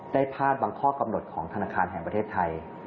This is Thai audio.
พลาดบางข้อกำหนดของธนาคารแห่งประเทศไทย